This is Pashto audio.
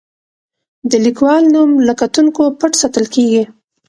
د لیکوال نوم له کتونکو پټ ساتل کیږي.